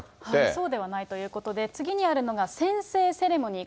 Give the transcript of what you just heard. そうではないということで、次にあるのが、宣誓セレモニー、